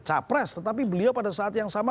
capres tetapi beliau pada saat yang sama